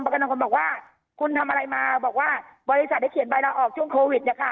กำลังคนบอกว่าคุณทำอะไรมาบอกว่าบริษัทได้เขียนใบลาออกช่วงโควิดเนี่ยค่ะ